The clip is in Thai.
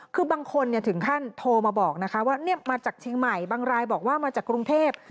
คือบางคนถึงขั้นโทรมาบอกนะคะว่ามาจากเชียงใหม่บางรายบอกว่ามาจากกรุงเทพ